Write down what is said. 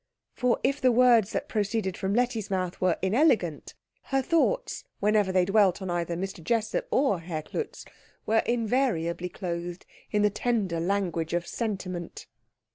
For if the words that proceeded from Letty's mouth were inelegant, her thoughts, whenever they dwelt on either Mr. Jessup or Herr Klutz, were invariably clothed in the tender language of sentiment.